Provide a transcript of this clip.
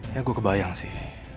ya gue kebayang sih